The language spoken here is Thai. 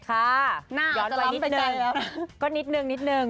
ค่ะย้อนไปนิดหนึ่งก็นิดหนึ่ง